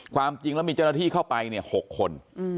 ความจริงแล้วมีเจ้าหน้าที่เข้าไป๖คน